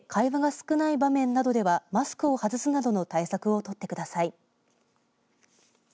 屋外で会話が少ない場面などではマスクを外すなどの対策を取ってください。